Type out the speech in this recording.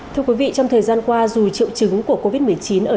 thưa quý vị trong thời gian qua dù triệu chứng của covid một mươi chín ở trẻ em nhẹ